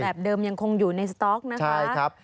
เดิมยังคงอยู่ในสต๊อกนะคะ